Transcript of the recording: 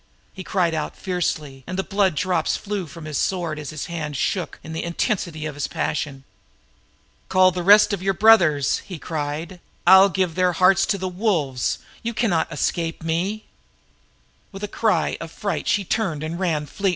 He cried out fiercely and the blood drops flew from his sword as his hand shook in the intensity of his passion. "Call the rest of your brothers!" he roared. "Call the dogs! I'll give their hearts to the wolves!" With a cry of fright she turned and fled.